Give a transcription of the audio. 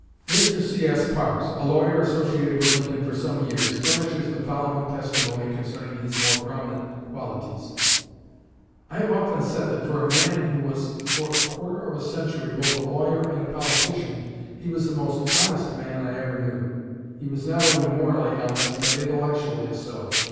'" Mr. C.S. Parks, a lawyer associated with Lincoln for some years, furnishes the following testimony concerning his more prominent qualities: "I have often said that for a man who was for a quarter of a century both a lawyer and a politician he was the most honest man I ever knew. He was not only morally honest, but intellectually so.